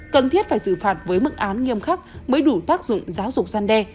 cần thiết phải xử phạt với mức án nghiêm khắc mới đủ tác dụng giáo dục gian đe